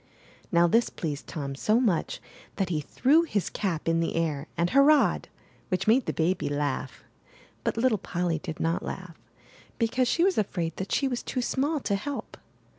Now, this pleased Tom so much that he threw 287 MY BOOK HOUSE his cap in the air and hurrahed, which made the baby laugh; but little Polly did not laugh, because she was afraid that she was too small to help.